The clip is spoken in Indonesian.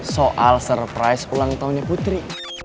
soal surprise ulang tahunnya putri